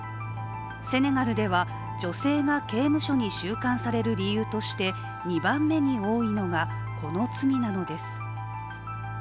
セネガルでは、女性が刑務所に収監される理由として２番目に多いのが、この罪なのです。